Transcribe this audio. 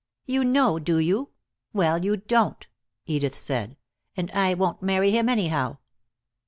"You know, do you? Well, you don't," Edith said, "and I won't marry him anyhow."